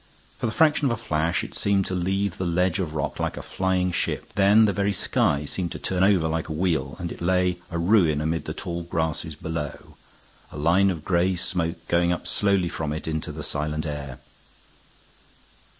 For the fraction of a flash it seemed to leave the ledge of rock like a flying ship; then the very sky seemed to turn over like a wheel, and it lay a ruin amid the tall grasses below, a line of gray smoke going up slowly from it into the silent air.